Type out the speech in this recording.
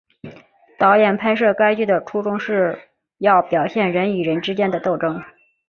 导演拍摄该剧的初衷是要表现人与人之间的斗争。